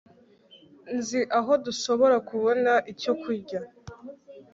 nzi aho dushobora kubona icyo kurya